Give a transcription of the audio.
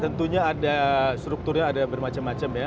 tentunya ada strukturnya ada bermacam macam ya